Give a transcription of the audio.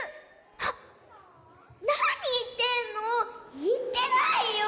あっなにいってんの。いってないよ。